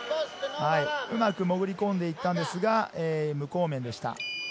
うまく潜り込んで行ったんですが、無効面でした。